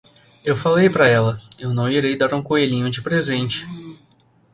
Eu falei para ela, eu não irei dar um coelhinho de presente.